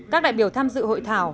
các đại biểu tham dự hội thảo